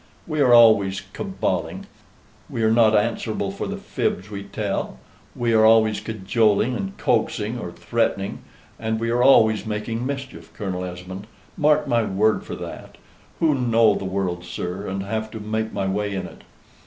We are always caballing; we are not answerable for the fibs we tell; we are always cajoling and coaxing, or threatening; and we are always making mischief, Colonel Esmond mark my word for that, who know the world, sir, and have to make my way in it.